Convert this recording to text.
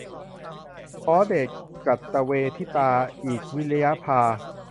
ขอเดชกตเวทิตา อีกวิริยะพา